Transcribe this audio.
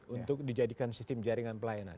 untuk dijadikan sistem jaringan pelayanan